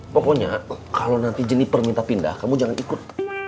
pokoknya kalau nanti jenniper minta pindah kamu jangan ikut